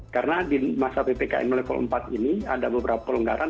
karena di masa ppkm level empat ini ada beberapa kelonggaran